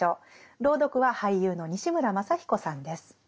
朗読は俳優の西村まさ彦さんです。